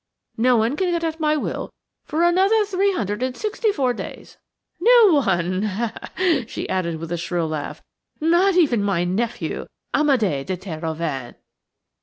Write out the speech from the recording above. No one can get at my will for another three hundred and sixty four days–no one," she added with a shrill laugh, "not even my nephew, Amédé de Terhoven."